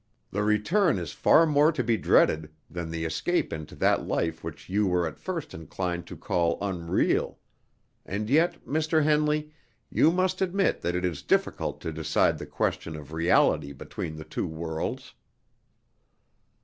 "The return is far more to be dreaded than the escape into that life which you were at first inclined to call unreal; and yet, Mr. Henley, you must admit that it is difficult to decide the question of reality between the two worlds."